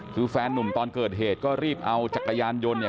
คือแฟนนุ่มตอนเกิดเหตุก็รีบเอาจักรยานยนต์เนี่ย